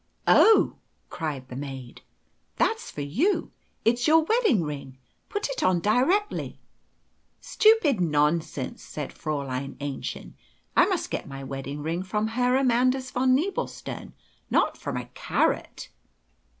"Oh," cried the maid, "that's for you! It's your wedding ring. Put it on directly." "Stupid nonsense!" said Fräulein Aennchen. "I must get my wedding ring from Herr Amandus von Nebelstern, not from a carrot."